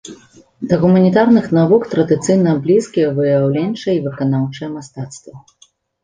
Да гуманітарных навук традыцыйна блізкія выяўленчае і выканаўчае мастацтва.